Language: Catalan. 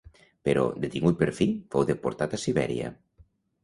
Però, detingut per fi, fou deportat a Sibèria.